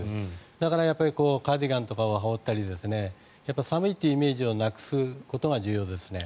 だからやっぱりカーディガンとかを羽織ったり寒いというイメージをなくすことが重要ですね。